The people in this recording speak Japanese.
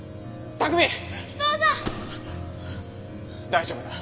大丈夫だ。